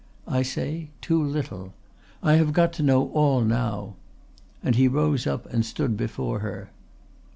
I say too little. I have got to know all now." And he rose up and stood before her.